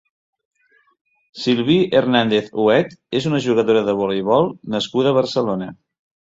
Sylvie Hernández Huet és una jugadora de voleibol nascuda a Barcelona.